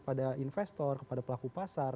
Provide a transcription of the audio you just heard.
kepada investor kepada pelaku pasar